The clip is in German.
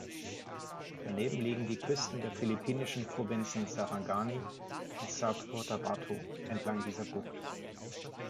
Daneben liegen die Küsten der philippinischen Provinzen Sarangani und South Cotabato entlang dieser Bucht.